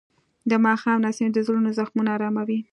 د ماښام نسیم د زړونو زخمونه آراموي.